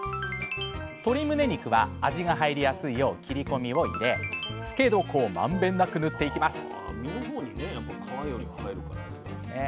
鶏むね肉は味が入りやすいよう切りこみを入れ漬け床をまんべんなくぬっていきます